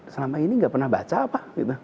selama ini nggak pernah baca apa